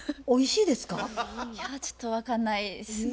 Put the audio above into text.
いやちょっと分かんないですね。